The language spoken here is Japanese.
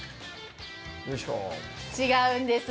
違うんです。